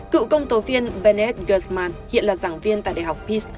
cựu công tố phiên bennett guzman hiện là giảng viên tại đại học pease